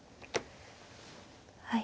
はい。